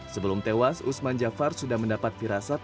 sebelum tewas usman jafar sudah mendapat firasat